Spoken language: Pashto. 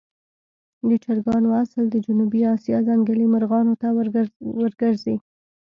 د چرګانو اصل د جنوبي آسیا ځنګلي مرغانو ته ورګرځي.